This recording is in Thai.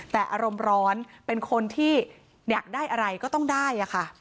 แต่อารมณ์ร้อนเป็นคนที่อยากได้อะไรก็ต้องได้ค่ะ